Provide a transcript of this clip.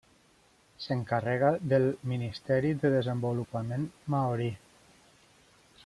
S'encarrega del Ministeri de Desenvolupament Maori.